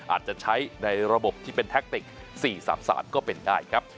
อาจจะใช้ในระบบที่เป็นแท็กติก๔๓สารก็เป็นได้ครับ